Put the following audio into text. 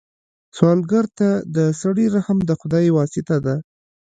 سوالګر ته د سړي رحم د خدای واسطه ده